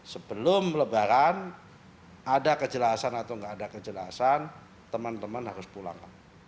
sebelum lebaran ada kejelasan atau nggak ada kejelasan teman teman harus pulang